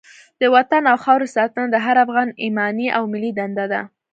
د وطن او خاورې ساتنه د هر افغان ایماني او ملي دنده ده.